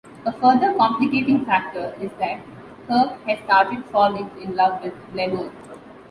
A further complicating factor is that Kirk has started falling in love with Lenore.